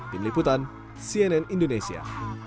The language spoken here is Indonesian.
tim liputan cnn indonesia